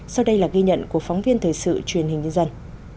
sau đây là ghi nhận của phóng viên thời sự truyền hình nhân dân